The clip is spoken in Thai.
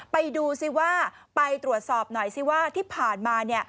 ไปดูซิว่าไปตรวจสอบหน่อยสิว่าที่ผ่านมา